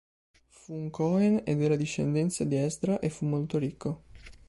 Fu un kohen e della discendenza di Esdra e fu molto ricco.